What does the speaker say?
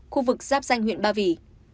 khu vực giáp danh huyện ba vì